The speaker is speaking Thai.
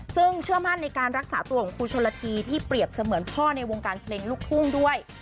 ซึ่งเชื่อมั่นในการรักษาตัวของครูชนละทีที่เปรียบเสมือนพ่อในวงการเพลงลูกทุ่งด้วย